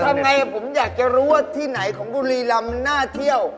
ทำไงผมอยากจะรู้ว่าที่ไหนของบุรีรำน่าเที่ยว